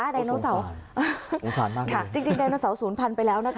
ดายโนเสาภูมิค้านมากเลยจริงจริงดายโนเสาศูนย์พันธุ์ไปแล้วนะคะ